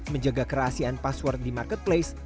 menjaga kerahasiaan password di marketplace